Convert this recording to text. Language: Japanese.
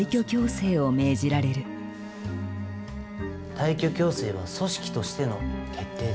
退去強制は組織としての決定です。